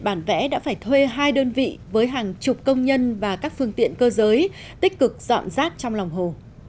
bản vẽ đã phải thuê hai đơn vị với hàng chục công nhân và các phương tiện cơ giới tích cực dọn rác trong lòng hồ